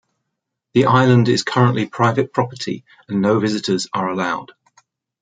The island is currently private property and no visitors are allowed.